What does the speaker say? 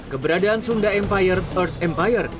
keberadaan sunda empire earth empire